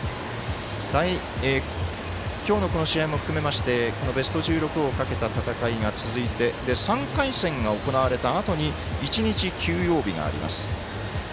今日のこの試合も含めましてベスト１６をかけた試合が続いて、３回戦が行われたあとに１日、休養日があります。